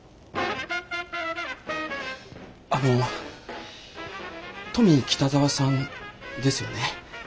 あのトミー北沢さんですよね？